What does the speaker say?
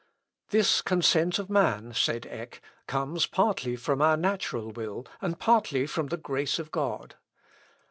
"This consent of man," said Eck, "comes partly from our natural will, and partly from the grace of God."